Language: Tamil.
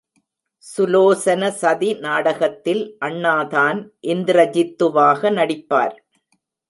சுலோசன சதி நாடகத்தில் அண்ணாதான் இந்திரஜித்துவாக நடிப்பார்.